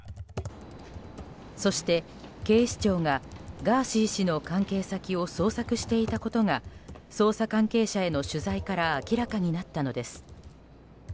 そして、警視庁がガーシー氏の関係先を捜索していたことが捜査関係者への取材から明らかになったのです。